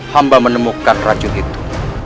hamba menemukan racun itu